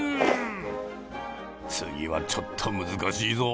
次はちょっと難しいぞ。